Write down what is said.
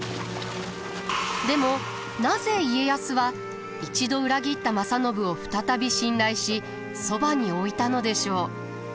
でもなぜ家康は一度裏切った正信を再び信頼しそばに置いたのでしょう？